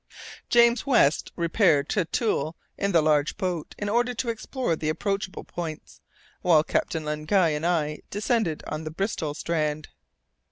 James West repaired to Thule in the large boat, in order to explore the approachable points, while Captain Len Guy and I descended on the Bristol strand.